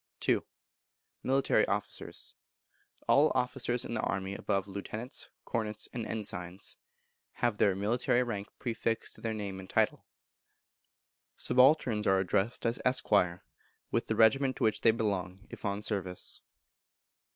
ii. Military Officers. All officers in the army above Lieutenants, Cornets, and Ensigns, have their military rank prefixed to their name and title. Sup. To General Sir Frederick Roberts. Subalterns are addressed as Esquire, with the regiment to which they belong, if on service.